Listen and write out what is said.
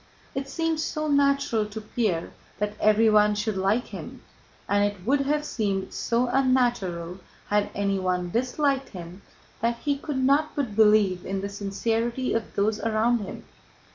It seemed so natural to Pierre that everyone should like him, and it would have seemed so unnatural had anyone disliked him, that he could not but believe in the sincerity of those around him.